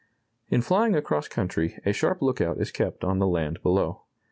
] In flying across country a sharp lookout is kept on the land below.